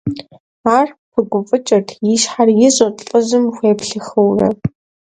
Ар пыгуфӀыкӀырт, и щхьэр ищӀырт, лӀыжьым хуеплъыхыурэ.